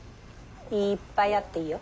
いっぱいあっていいよ。